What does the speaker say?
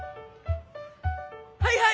はいはい！